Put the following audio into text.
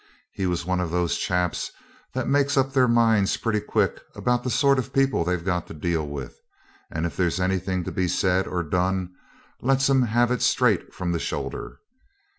He was one of those chaps that makes up their mind pretty quick about the sort of people they've got to deal with, and if there's anything to be said or done lets 'em have it 'straight from the shoulder'.